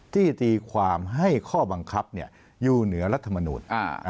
ตีความให้ข้อบังคับอยู่เหนือรัฐมนูล